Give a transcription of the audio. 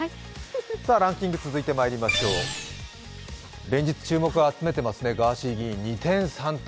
ランキング、続いてまいりましょう、連日注目を集めていますね、ガーシー議員二転三転